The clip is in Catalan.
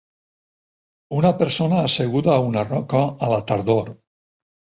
Una persona asseguda a una roca a la tardor.